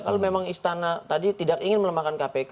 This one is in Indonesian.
kalau memang istana tadi tidak ingin melemahkan kpk